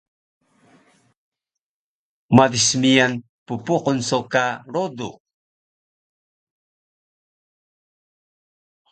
Madis miyan ppuqun so ka rodux